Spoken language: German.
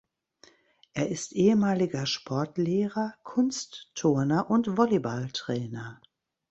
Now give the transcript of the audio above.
Er ist ehemaliger Sportlehrer, Kunstturner und Volleyballtrainer.